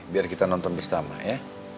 biar kita nonton bersama ya